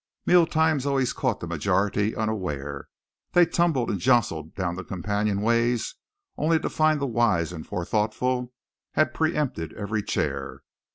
Meal times always caught the majority unaware. They tumbled and jostled down the companionways only to find the wise and forethoughtful had preëmpted every chair.